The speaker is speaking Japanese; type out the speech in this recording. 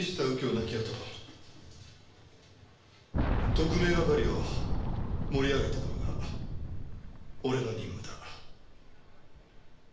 なきあと特命係を盛り上げていくのが俺の任務だ。